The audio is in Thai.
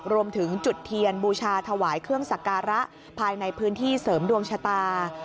รวมถึงจุดเทียนบูชาถวายเครื่องสักการะภายในพื้นที่เสริมดวงชะตา